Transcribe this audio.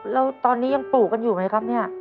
แล้วตอนนี้ยังปลูกกันอยู่ไหมครับเนี่ย